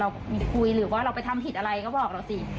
คุยหรือว่าเราไปทำผิดอะไรก็บอกเราสิ